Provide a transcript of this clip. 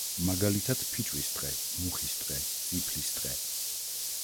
მაგალითად: ფიჭვის ტყე, მუხის ტყე, წიფლის ტყე.